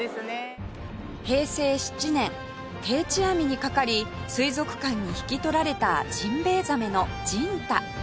平成７年定置網にかかり水族館に引き取られたジンベエザメのジンタ